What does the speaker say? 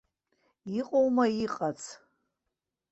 Иҟоума иҟац?